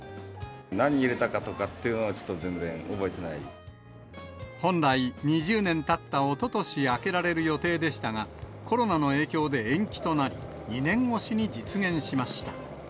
何入れたかとかっていうのは、本来、２０年たったおととし、開けられる予定でしたが、コロナの影響で延期となり、２年越しに実現しました。